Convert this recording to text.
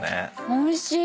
おいしい。